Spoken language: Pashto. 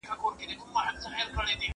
له خپل زوم سره د لور په غياب کي ووينئ.